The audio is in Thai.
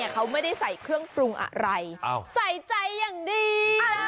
เขาไม่ได้ใส่เครื่องปรุงอะไรใส่ใจอย่างดี